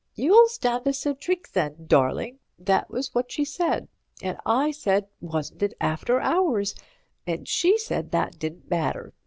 'You'll stand us a drink then, darling,' that was what she said, and I said, 'Wasn't it after hours?' and she said that didn't matter.